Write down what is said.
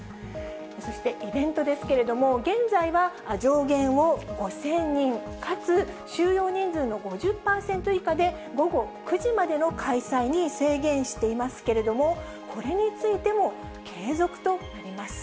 そしてイベントですけれども、現在は上限を５０００人かつ収容人数の５０％以下で午後９時までの開催に制限していますけれども、これについても継続となります。